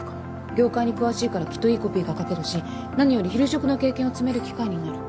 業界に詳しいからきっといいコピーが書けるし何より昼職の経験を積める機会になる。